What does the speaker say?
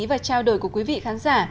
và trao đổi của quý vị khán giả